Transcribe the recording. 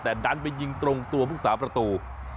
แต่ดันไปยิงตรงตัวภึกษาประตู